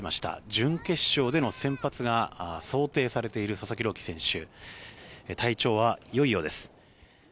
準決勝での先発が想定されている佐々木朗希選手体調はよいようです。